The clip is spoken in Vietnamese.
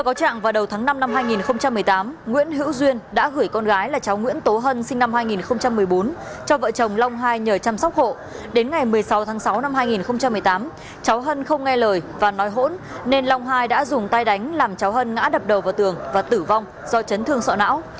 cháu hân không nghe lời và nói hỗn nên long hai đã dùng tay đánh làm cháu hân ngã đập đầu vào tường và tử vong do chấn thương sọ não